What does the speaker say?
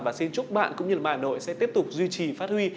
và xin chúc bạn cũng như màn ảnh đội sẽ tiếp tục duy trì phát huy